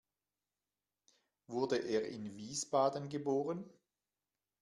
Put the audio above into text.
Wurde er in Wiesbaden geboren?